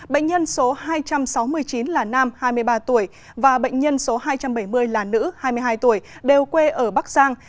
bệnh nhân số hai trăm sáu mươi chín là nam hai mươi ba tuổi và bệnh nhân số hai trăm bảy mươi là nữ hai mươi hai tuổi đều quê ở bắc giang